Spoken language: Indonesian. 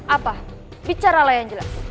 apa bicaralah yang jelas